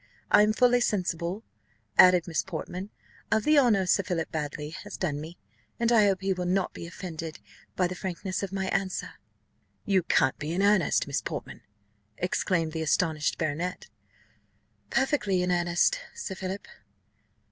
I am fully sensible," added Miss Portman, "of the honour Sir Philip Baddely has done me, and I hope he will not be offended by the frankness of my answer." "You can't be in earnest, Miss Portman!" exclaimed the astonished baronet. "Perfectly in earnest, Sir Philip."